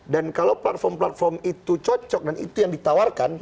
dan kalau platform platform itu cocok dan itu yang ditawarkan